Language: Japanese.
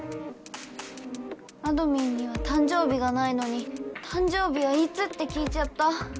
あどミンには誕生日がないのに「誕生日はいつ？」って聞いちゃった。